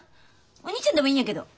お兄ちゃんでもいいんやけど。